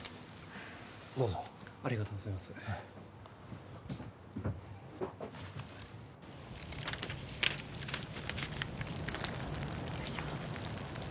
どうぞありがとうございますよいしょ